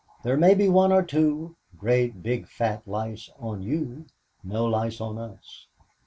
There may be one or two Great big fat lice on you, NO LICE ON US."